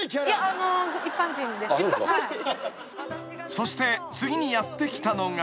［そして次にやって来たのが］